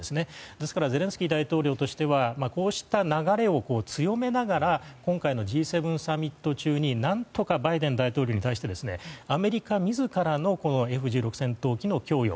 ですからゼレンスキー大統領としてはこうした流れを強めながら今回のＧ７サミット中に何とかバイデン大統領に対してアメリカ自らのＦ１６戦闘機の供与